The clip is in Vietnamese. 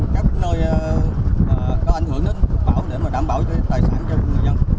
các nơi có ảnh hưởng đến bão để đảm bảo tài sản cho người dân